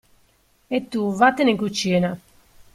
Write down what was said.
E tu vattene in cucina.